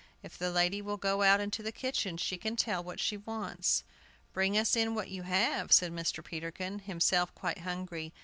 "If the lady will go out into the kitchen she can tell what she wants." "Bring us in what you have," said Mr. Peterkin, himself quite hungry.